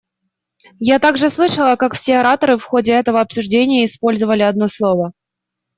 Я также слышала, как все ораторы в ходе этого обсуждения использовали одно слово.